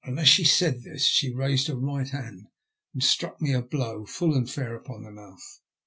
As she said this she raised her right hand and struck me a blow full and fair upon the mouth.